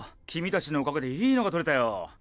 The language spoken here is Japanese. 君たちのおかげでいいのが撮れたよ。